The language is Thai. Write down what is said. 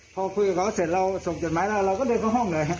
พอคุยกับเขาเสร็จเราส่งจดหมายแล้วเราก็เดินเข้าห้องเลยฮะ